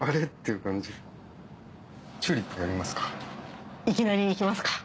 いきなりいきますか？